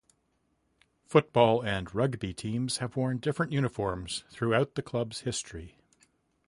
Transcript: Football and rugby teams have worn different uniforms through the club's history.